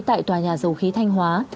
tại tòa nhà dầu khí thanh hóa